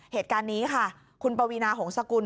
เหตุการณ์นี้ค่ะคุณปวีนาหงษกุล